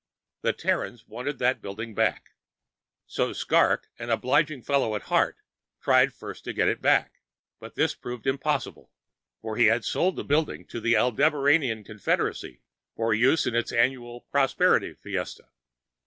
The Terrans wanted that building back. So Skrrgck, an obliging fellow at heart, tried first to get it back, but this proved impossible, for he had sold the building to the Aldebaranian Confederacy for use in its annual "prosperity fiesta."